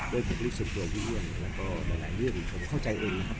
โดยผิดรู้สันตัวที่เรียนแล้วก็หลายเรื่องคนเข้าใจเองนะครับ